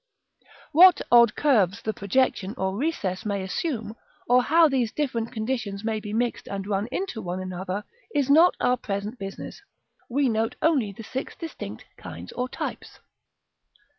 What odd curves the projection or recess may assume, or how these different conditions may be mixed and run into one another, is not our present business. We note only the six distinct kinds or types.